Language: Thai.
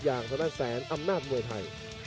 อย่างศาลัดแสนอำนาจมวยไทย